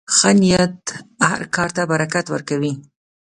ښه نیت هر کار ته برکت ورکوي.